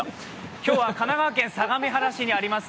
今日は神奈川県相模原市にあります